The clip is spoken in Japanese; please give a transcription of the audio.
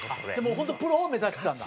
ホントプロを目指してたんだ。